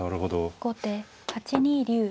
後手８二竜。